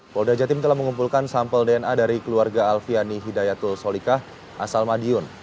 polda jatim telah mengumpulkan sampel dna dari keluarga alfiani hidayatul solikah asal madiun